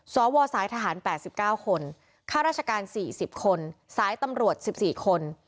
สวสายทหาร๘๙คนข้าราชการ๔๐คนสายตำรวจ๑๔คน